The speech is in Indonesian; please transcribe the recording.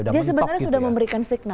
dia sebenarnya sudah memberikan signal